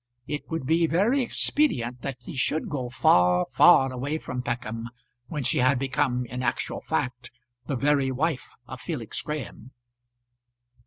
It would be very expedient that she should go far, far away from Peckham when she had become, in actual fact, the very wife of Felix Graham.